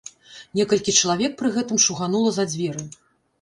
Некалькі чалавек пры гэтым шуганула за дзверы.